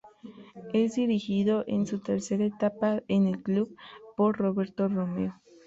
Es dirigido, en su tercera etapa en el club, por Roberto Romero.